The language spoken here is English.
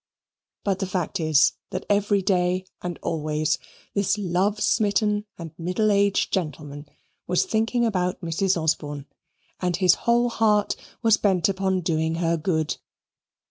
But the fact is that every day and always, this love smitten and middle aged gentleman was thinking about Mrs. Osborne, and his whole heart was bent upon doing her good.